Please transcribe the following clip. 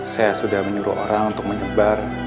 saya sudah menyuruh orang untuk menyebar mencari bening